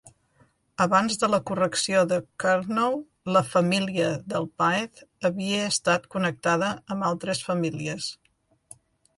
Abans de la correcció de Curnow, la "família" del páez havia estat connectada amb altres famílies.